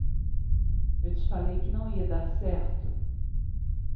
Eu te falei que não ia dar certo.